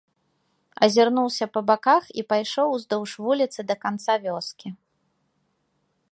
Азірнуўся па баках і пайшоў уздоўж вуліцы да канца вёскі.